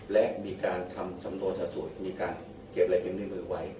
และมีการทำสำนวนทะสุดมีการเก็บรายพิมพ์นิดมือไว้